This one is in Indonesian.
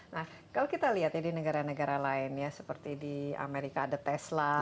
nah kalau kita lihat ya di negara negara lain ya seperti di amerika ada tesla